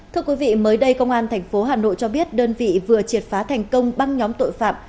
thưa quý vị mới đây công an tp hà nội cho biết đơn vị vừa triệt phá thành công băng nhóm tội phạm